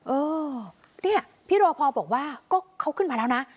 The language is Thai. เออเนี่ยพี่รอพอบอกว่าก็เขาขึ้นมาแล้วนะ